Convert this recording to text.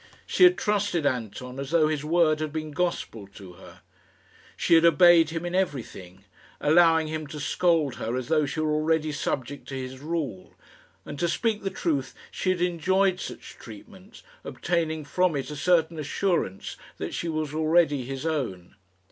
She had trusted Anton as though his word had been gospel to her. She had obeyed him in everything, allowing him to scold her as though she were already subject to his rule; and, to speak the truth, she had enjoyed such treatment, obtaining from it a certain assurance that she was already his own.